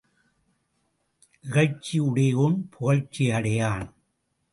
இகழ்ச்சி உடையோன் புகழ்ச்சி அடையான்.